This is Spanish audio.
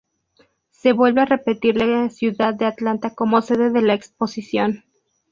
Se vuelve a repetir la ciudad de Atlanta como sede de la exposición.